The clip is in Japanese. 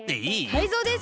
タイゾウです。